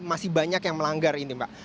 masih banyak yang melanggar ini mbak